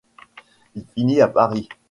Il finit à Paris.